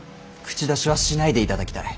口出しはしないでいただきたい。